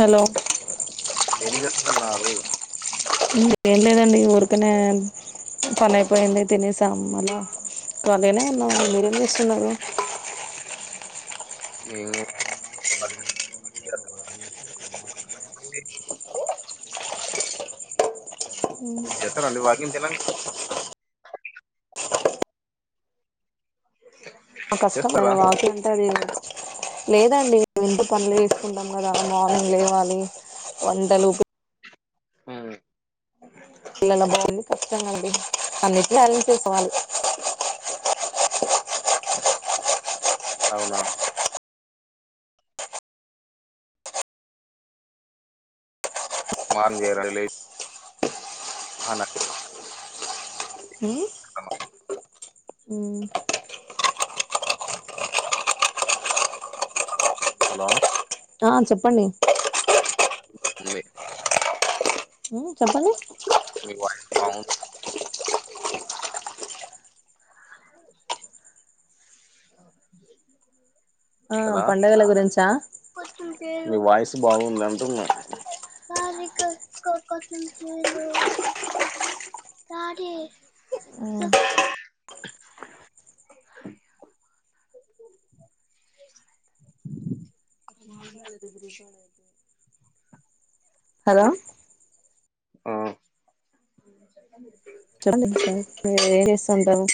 Hello న్నారు ఏం లేదండి ఊరికినే పని అయిపోయింది తినేసాం అలా ఖాళీ నే ఉన్నాం మీరేం చేస్తున్నారు అ [unintelligible] ఏం చేస్తారండి వాకింగ్ కి ఎలా ఆ కష్టమ చేస్తారా వాకి అం [unintelligible] టే అది లేదండి ఇంటి పనులే చేసుకుంటాం కదా మార్నింగ్ లేవాలి వంటలు హూమ్ పిల్లల బాగుంది ఖచ్చితంగా అండి అన్నింటిని అరేంజ్ చేసకోవాళ్ళు [unintelligible] అవునా [unintelligible] లే అన ఉమ్ హలో ఆ చెప్పండి మీ హుమ్మ్ చెప్పండి మీ వాయిస్ బాగుంది అ కదా పండగల గురించా మీ వాయిస్ బాగుంది అంటున్నా కక కథం చేయ లో రాారే ఉమ్ అ హలో ఆ చెప్పండి సర్ మీరు ఏం చేస్తుాంటారు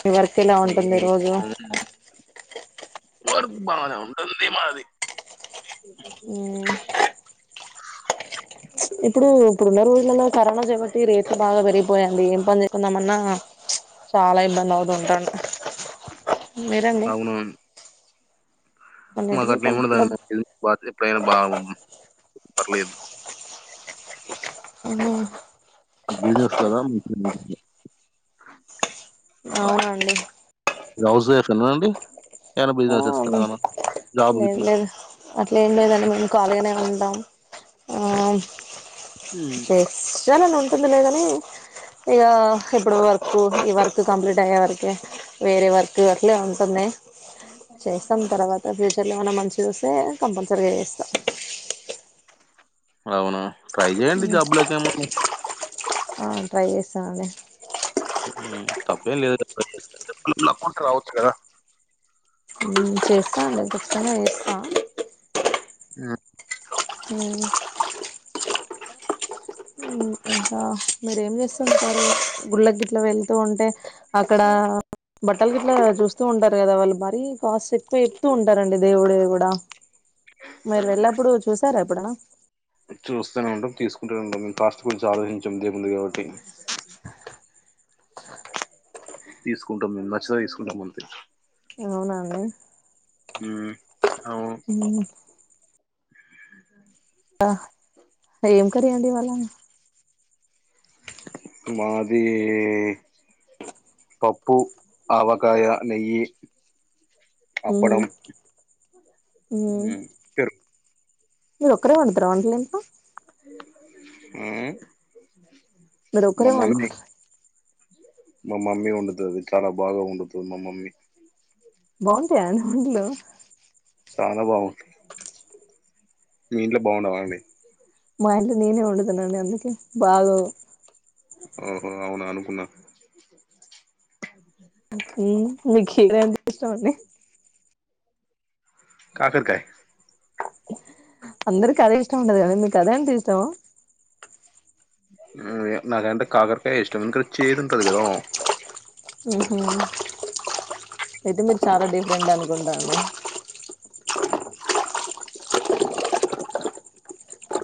మీ వర్క్ ఇలా మీ ఉంటుంది రోజు వర్క్ బానే ఉంటంది మాది ఉమ్ ఇప్పుడు ఇప్పుడున్న రోజులలో కరోనా చేపట్టి రేట్లు బాగా పెరిగిపోయయండి ఏం పని చేకుందామన్నా చాలా ఇబ్బంది అవుతుంటాంన్ మీరండి అవును మాకు అన్నిటికీ అట్లా ఏముండదండి కంఫర్టబుల్ మ ఫీ ఎప్పుడైనా బా పర్లేదు మా ీజస్ కదా మీ [unintelligible] అవునండి మీరు హౌస్ ఫైఫ్ ఏనా అండి ఏమ ఆ లేదు లేదు అట్లే ఏం లేదండి మేము కాాలగానే అంటాం ఆ చేస్ని అలా ఉంటుంది లే కని ఇగ ఇప్పుడు వ ర్క్ ఈ వర్క్ కంప్లీట్ అయ్యే వరకే వేరే వర్క్ అట్లే ఉంటుంది ఎం చేస్తాల్ చేస్తాం తర్వాత ఫ్యూచర్ లో ఏమన్నా మంచిదోస్తే కంపల్సరిగా చేస్తా అవునా ట్రై చెయ్యడి జాబ్ులక్ ఏమన్నా ఆ ట్రై చేస్తనండి మ్ తప్పేం లేదుా కదా ట్రై చేస్తే లక్ ఉన్నప్పుడు రావచ్చు కదా మ్ చేస్తాండి కచ్చితంగా చేస్తా మ్ మ్ క ఇంకా మీరేం చేస్తురు సారు గుళ్ళ గిట్లా వెళ్తూ ఉంటే అక్కడ బట్టల గిట్లా చూస్తూ ఉంటారు కదా వాళ్ళు మరీ కాస్ట్ ఎక్కువ చెప్తూ ఉంటారండి దేవుడివి కూడా మీరు వెళ్ల్లప్పుడు చూసార ప్పుడ చూస్తూనే ఉంటాం తీసుకుంటూనే ఉంటాం మేము కాస్ట్ గురించి ఆలోచించాం దేవుంది కాబట్టి తీసుకుంటాం మేము నచ్చతే తీసుకుంటాం అంతె అవునా అండి మ్ అవును క ఏం కరి అండి ఈ వ్వాళ మాది పప్పు ఆవగాయ నెయ్యి అప్పుడం హ్మ్ పేరు మీరు ఒకరే వండుతారా వంటలు ఇంట్లో ఆ మీరు ఒకరే వండుకు మా మమ్మీ వండుతది చాలా బాగా వండుతుంది మా మమ్మీ బాంటాయా అండి వంటులు చాలా బాగుంటాయి మీ ఇంట్లో బాగుండవాండి మా ఇంట్లో నేనే వండుతున్నాని అందుకే బాగొవ్ ఓహో అవునా అనుకున్నా హ్మ్ మీకు చికెన్ అంటే ఇష్టమండి కాకరకాయ్ అందరికి అదే ఇష్టం ఉంటది కండి మీకు అదే అంటే ఇష్టమ నాకంటే కాకరకాయ ఇష్టం ఎందుకు చేదు ఉంటది కదా హ్మ్ హు అయితే మీరు చాలా [unintelligible] ఉండాలి ఉండాలి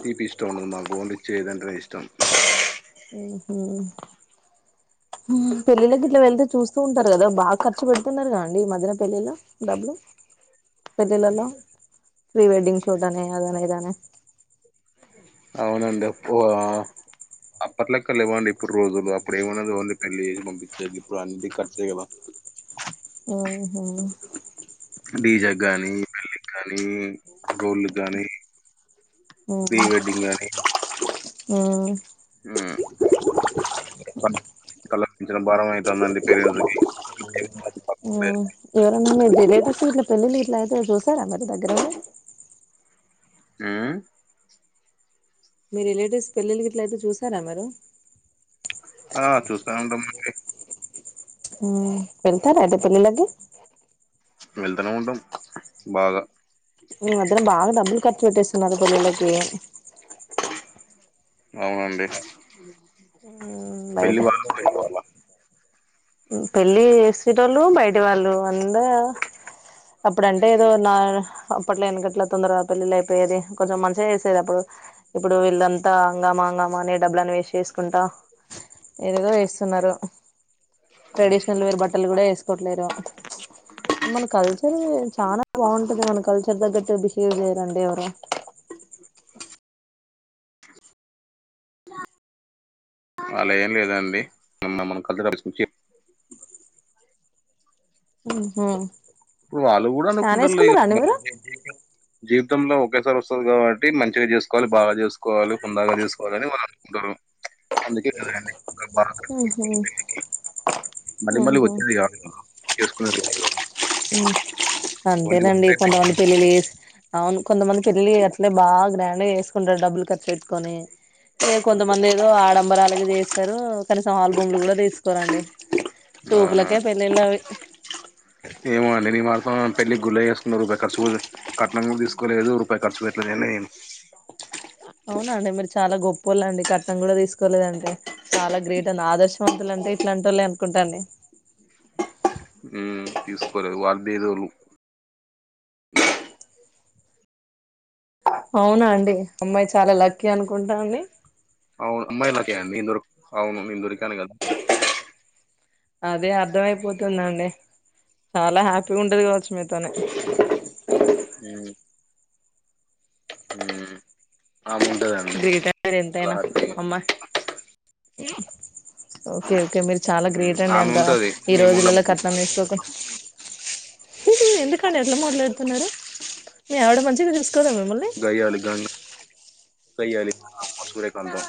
తీపి ఇష్టం ఉండదు మాకు ఓన్లీ చేదు అంటే నే ఇష్టం హ్మ్ హు హ్మ్ పెళ్లిళ్లకి వెళ్తే చూస్ సు ఉంటారు కదా బాగా ఖర్చు పెడుతున్నారు కదండి మధన పెళ్ళిలో డబ్బులు పెళ్ళిళ్లలో ప్రీ వెడ్డింగ్ షూట్ అని అదని ఇదని అవునండి ఎక్కువ అప్పట్లక్క లేవండి ఇప్పుడు రోజులు అప్పుడు ఏమన్న ఓన్లీ పెళ్లి చేసి పంపించేది ఇప్పుడు అన్ని ఖర్చే కదా హ్మ్ హు డీజె గానీ పెళ్లి గానీ గోళ్ళ గానీ ఉమ్ ప్రీవెడ్డింగ్ గానీ ఉమ్ హ్మ్ కలపించిన భారం అయి [unintelligible] పేరు [unintelligible] ఫస్ట్ ఇట్లా పెళ్లిళ్లు ఇట్ల అయితే చూసారా మరి దగ్గరవి ఆ మీ రిలేటివ్స్ పెళ్లిళ్లుకిట్లయితే చూసారా మీరు ఆ చూస్తా ఉంటామండి హ్మ్ వెళ్తారా అయితే పెళ్లిళ్లకి వెళ్తనే ఉంటం బాగా ఈ మధ్యన బాగా డబ్బులు ఖర్చు పెట్టేస్తున్నారు పెళ్లిళ్లకి అవునండి హ్మ్ బయట పెళ్లి వాళ్ళ వాళ్ళ పెళ్ళి చేసేటోలు బయటి వాళ్ళు అంద అప్పుడంటే ఏదో నా అ అప్పట్లో ఎనికిట్ల తొందరగా పెళ్లిళ్లు అయిపోయేది కొంచం మంచిగా వేసేది అప్పుడు ఇప్పుడు వీళ్ళంతా హంగమాహంగమ ఏమో అని డబ్బులన్ని వేసచేస్కుంటా ఏదదో ఎస్తున్నారు ట్రెడిషనల్ వేర్ బట్టలు కూడా వేసుకోట్లేరు మన కల్చర్ చాలా బాగుంటది మన కల్చర్ తగ్గట్టు బిహేవ్ చేయరండి ఎవరు అలా ఏం లేదండి నిన్న మనం [unintelligible] తీసుకొచ్చి హ్మ్ ఇప్పుడు వాళ్ళు కూడా ఫ్యాన్ అనుకుంటారు ఇక వేసుకుంన్నారండి మీరు జీవితంలో ఒకేసారి వస్తది కాబట్టి మం మంచిగా చేసుకోవాలి బాగా చేసుకోవాలి హుందాగా చేసుకోవాలని వాళ్ళు అనుకుంటరు ఉహు మళ్ళీ మళ్ళీ వచ్చేది కాదుగా చేసుకునేది కాదు గా హు అంతేనండి కొంతమంది పెళ్లిలు అవును కొంతమంది పెళ్ళి అట్లే బా గ్రాండ్ గా చేసుకుంటారు డబ్బులు కర్ పెట్టుకొని ఏ కొంతమంది ఏదో ఆడంబరాలగా చేస్తారు కనీసం ఆల్బమ్లు కూడా తీసుకోరండి అవునా చూపులకే పెళ్లిళ్లు అవి ఏమో అండి నీ మ పెళ్లి గుల్లే చేేసుకున్న రూపాయి ఖర్చు కూడా కట్నం కూడా తీసుకోలేదు రూపాయి ఖర్చు పెట్టలేదు అని అవున అండి మీరు చాలా గొప్ప లండి కట్నం కూడా తీసుకోలేదంటే చాలా గ్రేట్ అండి ఆదర్శవంతులు అండి ఇట్లా అంటోళ్లే అనుకుంటాండి ఉ తీసుకోలే వాళ్లు బీదొళ్ళు అవును అండి అమ్మాయి చాలా లక్కీ అనుకుంటాను ఆవు అమ్మాయి లక్కీ నేను దొరుకు అవును నేను దొరికాను గదా అదే అర్థమయిపోతుంది అర్థమయిపోతుంది అండి చాలా హ్యాపీగా ఉంటది కావచ్చు మీతోనే హు గ్రేట్ అండి మీరు ఎంతైనా అమ్మ ఓకే ఓకే మీరు చాలా ఉమ్, గ్రేట్ అండి ఆమె అంత ఉంటది ఈ మేము రోజులలో ఉండము కట్నం తిసుకోకుండా ఎందుకండీ అట్ల మాట్లాడుతున్నారు మీ ఆవిడ మంచిగా చూసుకో దా మిమ్మల్ని గయ్యాళి సూర్యకాంతం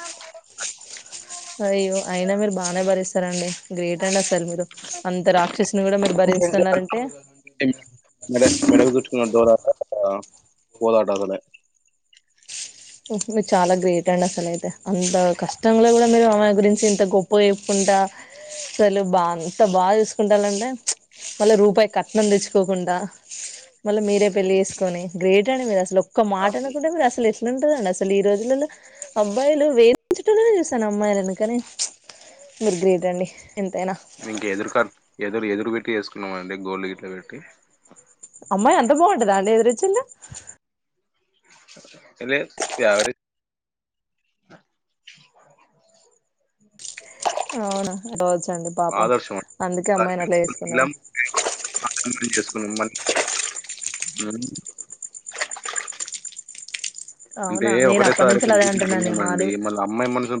అయ్యో అయినా మీరు బానే భరిస్తారండి గ్రేట్ అండి అసలు మీరు అంత రాక్షసిని కూడా మీరు భరించుతున్నారంటే మెడ మెడకు చుట్టుకున్న డోలాట [inaudible] పోదాట అసలే మీరు చాలా గ్రేట్ అండి అసలు అయితే అంత కష్టంలో కూడా మీరు ఆమె గురించి ఇంత గొప్ప చెప్పుకు దా అసలు బా అంత బాగా చూసుకుంటాలంటే మళ్ళా రూపాయి కట్నం తెచ్చుకోకుండా మళ్ళీ మీరే పెళ్లి చేసుకొని గ్రేట్ అండి మీరు అసలు ఒక్క మాట అవును. అనకొండ మీరు అసలు ఏ ఉంటారండి అసలు ఈ రోజులలో అబ్బాయిలు వేధించటంలనే చూసాను అమ్మాయిలను కానీ మీరు గ్రేట్ అండి ఎంతైనా మంక ఎదురు కా ఎదురు ఎదురు పెట్టి చేసుకున్నాము అండి గోల్డ్ గిట్ల పెట్టి అమ్మాయి అంత బాగుంటదా అండి ఎదురొచ్చింది లేదు యావరేజ్ [inaudible] అవును రోజ్ అండి పాపం ఆదర్శం అండి. అందుకే ఒకసారి అమ్మాయిని పెళ్లి అట్ల చేసుకున్నారు పిల్లం, అతని [unintelligible] అంటే అవునా నేను అప్పటి ఒకరేసారి [inaudible] నుంచి అదే అంటున్నాను మా మళ్ళీ అమ్మాయి మనసు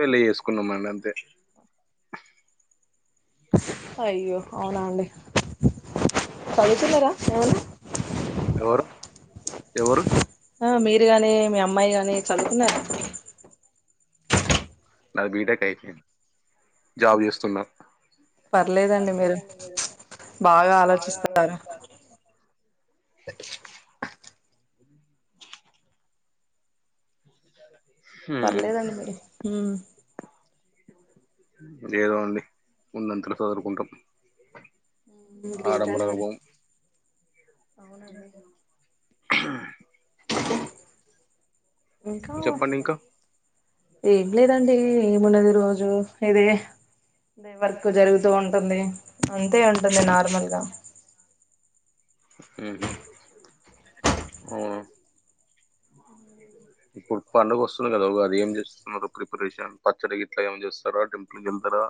పెళ్లి చేసుకున్నామని అంతే అయ్యో అవునా అండి చదువుతున్నారా ఏమన్నా [unintelligible] ఎవర్ ఎవరు ఆ మీరు గాని మీ అమ్మాయి గాని చదువుకున్నారు నాది బీటెక్ అయిపోయింది జాబ్ చేస్తున్న పర్లేదండి మీరు బాగా ఆలోచిస్తారు స [inaudible] ఉమ్, పర్లేదండి మీరు ఏదో అండి ఉన్నంతల చదురుకుంటాం గ్రేట్నే వర ఆ చెప్పండి ఇంకా ఏగలేదండి మనదిరు రోజు ఇదే వర్క్ జరుగుతూ ఉంటుంది అ ఇ ఉంటంది నార్మల్గా అఓ అ ఇప్పుడు పడుగ వస్తుంది కదా ఉగాది ఏం చేస్తున్నారు ప్రిపరేషన్ పచ్చడి ఇట్లా ఏమైనా చేస్తారా టెంపుల్కి వెళ్తారా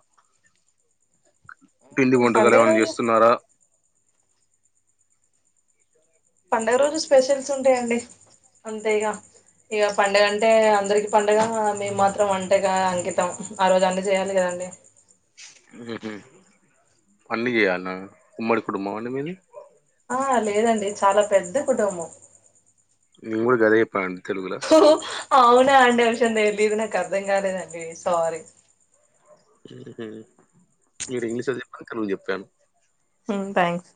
పిండి వంటకాలు పండుగ ఏమనా రోజులు చేస్తున్నారా పండుగ రోజు స్పెషల్స్ ఉంటాయండి అంతే ఇక ఇక పండగంటే అందరికి ప అండగా మేము మాత్రం అంటేగా అంకితం ఆ రోజు అన్ని చేయాలి కదం పన్న చేయాలన్న ఉమ్మడి కుటుబ అన్న మీది ఆ లేదండి చాలా పెద్ద కుటుంబం ని కూడా గది ఇప్పండి అవునా అండి అమిషం తెలీదు నాకు అర్థం కాలేనండి సారీ మీరు ఇంగ్లీష్ లో చెప్పారు క నువను చెప్పాను థ్యాంక్స్